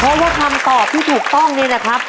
เพราะว่าคำตอบที่ถูกต้องนี่นะครับ